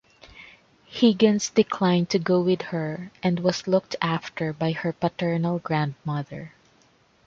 Higgins declined to go with her and was looked after by her paternal grandmother.